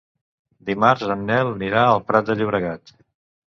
Dimarts en Nel anirà al Prat de Llobregat.